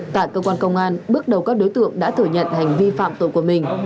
tại cơ quan công an bước đầu các đối tượng đã thừa nhận hành vi phạm tội của mình